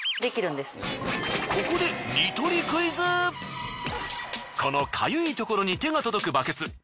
ここでこのかゆいところに手が届くバケツ。